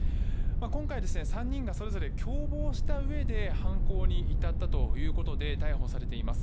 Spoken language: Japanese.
今回、３人がそれぞれ共謀したうえで犯行に至ったということで逮捕されています。